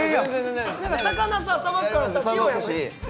魚ささばくからさ器用やない？